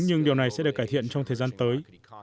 nhưng điều này sẽ được cải thiện trong thời gian tới